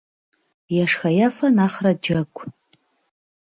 Ешхэ-ефэ нэхърэ джэгу.